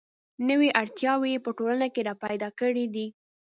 نوې اړتیاوې یې په ټولنه کې را پیدا کړې دي.